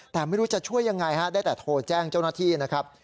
แต่ไม่รู้จะช่วยยังไงฮะได้แต่โทรแจ้งเจ้าหน้าที่นะครับ